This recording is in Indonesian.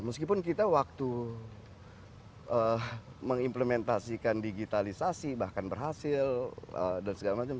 meskipun kita waktu mengimplementasikan digitalisasi bahkan berhasil dan segala macam